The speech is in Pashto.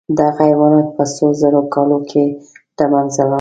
دغه حیوانات په څو زرو کالو کې له منځه لاړل.